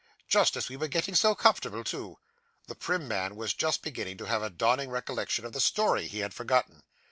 'Just as we were getting so comfortable too!' The prim man was just beginning to have a dawning recollection of the story he had forgotten.